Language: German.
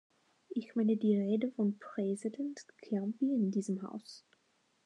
Ich meine die Rede von Präsident Ciampi in diesem Haus.